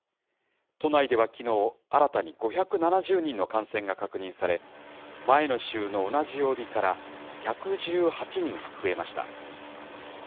都内ではきのう、新たに５７０人の感染が確認され、前の週の同じ曜日から１１８人増えました。